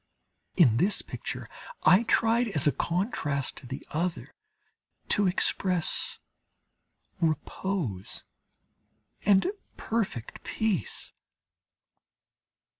In this picture, I tried, as a contrast to the other, to express repose and perfect peace.